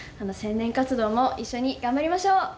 宣伝活動も一緒に頑張りましょう！